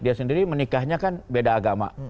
dia sendiri menikahnya kan beda agama